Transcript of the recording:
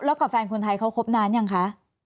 แล้วกับแฟนคนไทยเขาคบนานยังคะ